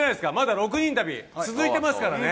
６人旅、まだ続いてますからね。